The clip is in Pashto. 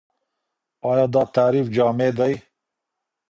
ايا دا تعريف جامع دی؟